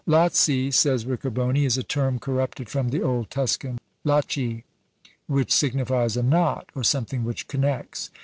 "Lazzi," says Riccoboni, "is a term corrupted from the old Tuscan Lacci, which signifies a knot, or something which connects.